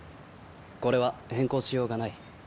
これは変更しようがない。